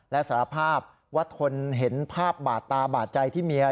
และสารภาพว่าทนเห็นภาพบาดตาบาดใจที่เมีย